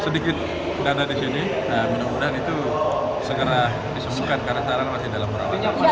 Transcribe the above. sedikit dana di sini mudah mudahan itu segera disembuhkan karena sekarang masih dalam perawatan